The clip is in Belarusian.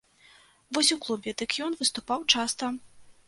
Вось у клубе дык ён выступаў часта.